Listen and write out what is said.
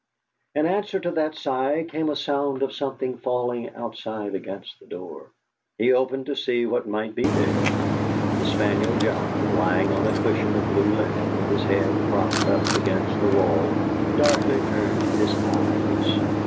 In answer to that sigh came a sound of something falling outside against the door. He opened it to see what might be there. The spaniel John, lying on a cushion of blue linen, with his head propped up against the wall, darkly turned his eyes.